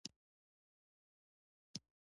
هلته سل نه بلکې په زرګونه کسان ووژل شول